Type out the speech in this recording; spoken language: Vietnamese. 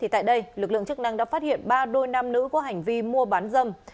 tại đây lực lượng chức năng đã phát hiện ba đôi nam nữ có hành vi mua bán dâm